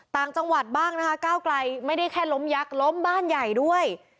ต่างจังหวัดบ้างนะคะก้าวไกลไม่ได้แค่ล้มยักษ์ล้มบ้านใหญ่ด้วย